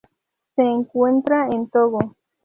Se encuentra en Togo.